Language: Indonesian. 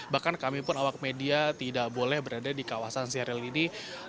bahkan kami pun awak media tidak boleh berada di kawasan seril ini